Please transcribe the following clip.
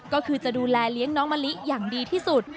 ก็คือจะดูแลเลี้ยงน้องมะลิอย่างดีที่สุด